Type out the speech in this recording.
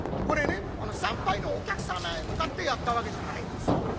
これね参拝のお客様へ向かってやったわけじゃないんですよ。